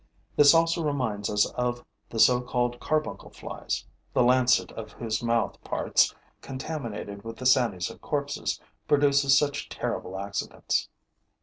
This also reminds us of the so called carbuncle flies, the lancet of whose mouth parts, contaminated with the sanies of corpses, produces such terrible accidents.